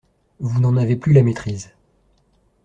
Vous n’en avez plus la maîtrise.